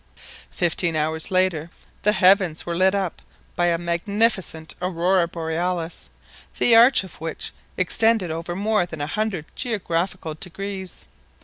Fifteen hours later the heavens were lit up by a magnificent Aurora Borealis, the arch of which extended over more than a hundred geographical degrees.